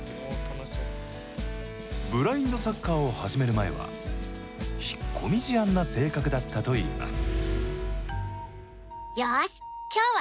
ブラインドサッカーを始める前は引っ込み思案な性格だったといいます。